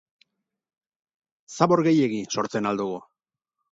Zabor gehiegi sortzen al dugu?